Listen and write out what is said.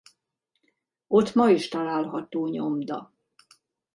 Ott ma is található nyomda.